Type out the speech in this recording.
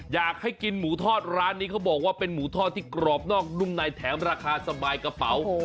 อยากให้กินหมูทอดร้านนี้เขาบอกว่าเป็นหมูทอดที่กรอบนอกนุ่มในแถมราคาสบายกระเป๋า